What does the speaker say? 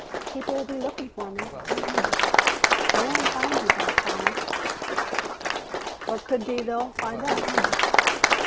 "People will be looking for me." "They won't find you," Barr promised. "But could be they'll find us."